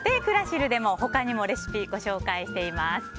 クラシルでも、他にもレシピをご紹介しています。